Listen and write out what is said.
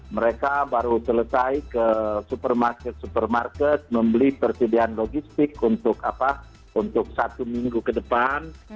mereka baru selesai ke supermarket supermarket membeli persediaan logistik untuk satu minggu ke depan